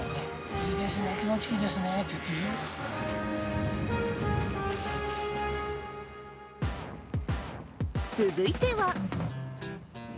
いいですね、気持ちいいですねっ続いては。